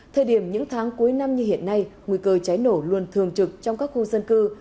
thời điểm những tháng cuối năm như hiện nay nguy cơ cháy nổ luôn thường trực trong các khu dân cư